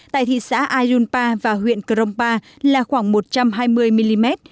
tại thị xã aizupa và huyện cromba là khoảng một trăm hai mươi mm